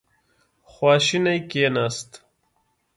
خواشینی کېناست.